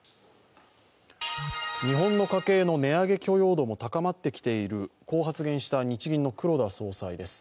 日本の家計の値上げ許容度も高まっていると発言した日銀の黒田総裁です。